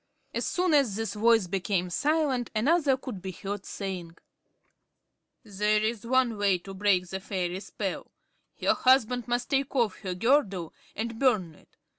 As soon as this voice became silent, another could be heard, saying: "There is one way to break the fairy spell. Her husband must take off her girdle and burn it.